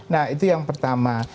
nah itu yang pertama